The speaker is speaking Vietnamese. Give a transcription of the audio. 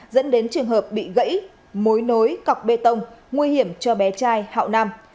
dẫn đến trường hợp bị gãy mối nối cọc bê tông nguy hiểm cho bé trai hạo nam